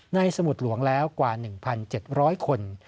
สมุดหลวงแล้วกว่า๑๗๐๐คน